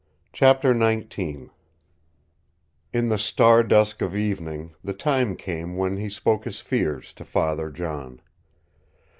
CHAPTER XIX In the star dusk of evening the time came when he spoke his fears to Father John.